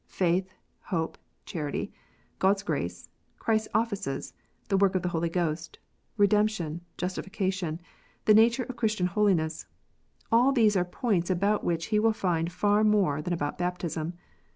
Faith, hope, charity, God s grace, Christ s offices, the work of the Holy Ghost, redemption, justification, the nature of Christian holiness, all these arc points about which he will find far more than about baptism.